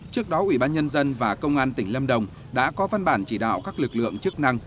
trước đó ủy ban nhân dân và công an tỉnh lâm đồng đã có văn bản chỉ đạo các lực lượng chức năng